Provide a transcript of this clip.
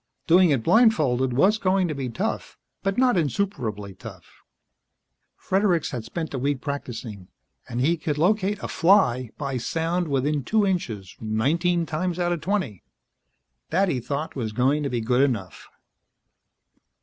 Doing it blindfolded was going to be tough, but not insuperably tough. Fredericks had spent a week practicing, and he could locate a fly by sound within two inches, nineteen times out of twenty. That, he thought, was going to be good enough.